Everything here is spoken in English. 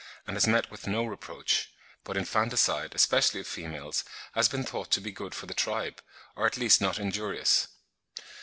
and has met with no reproach; but infanticide, especially of females, has been thought to be good for the tribe, or at least not injurious.